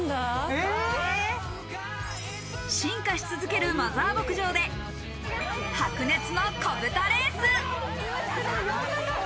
進化し続けるマザー牧場で白熱のこぶたレース！